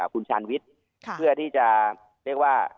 คุณชันวิทย์เพื่อที่จะ